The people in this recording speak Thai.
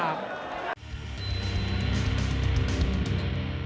เขาหนมุดที่สาม